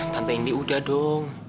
tante indi udah dong